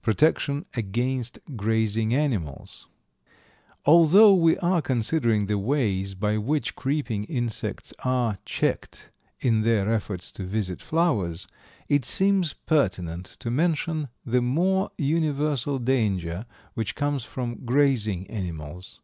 Protection against grazing animals. Although we are considering the ways by which creeping insects are checked in their efforts to visit flowers, it seems pertinent to mention the more universal danger which comes from grazing animals.